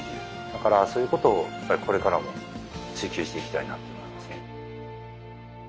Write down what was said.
だからそういうことをやっぱりこれからも追求していきたいなと思いますね。